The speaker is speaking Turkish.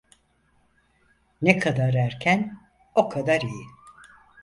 Ne kadar erken, o kadar iyi.